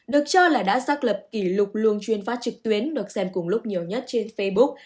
được cho là đã xác lập kỷ lục luông chuyên phát trực tuyến được xem cùng lúc nhiều nhất trên facebook